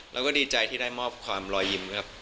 แล้วก็ดีใจที่ได้มอบความรอยยิ้มครับ